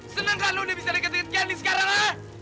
senang gak lu udah bisa deket deket candy sekarang ha